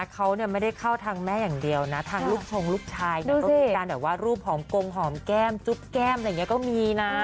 เขาไม่ได้เข้าทางแม่อย่างเดียวนะทางลูกชงลูกชายเนี่ยก็มีการแบบว่ารูปหอมกงหอมแก้มจุ๊บแก้มอะไรอย่างนี้ก็มีนะ